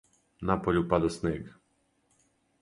Напољу пада снег.